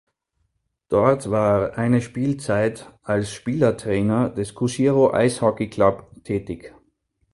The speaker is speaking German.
Dort war eine Spielzeit als Spielertrainer des Kushiro Ice Hockey Club tätig.